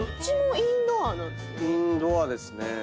インドアですね。